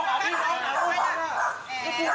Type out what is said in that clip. กูไม่ให้กูเอาเมฆไม่เอาที่น้องกูกินมึงก็ว่ากู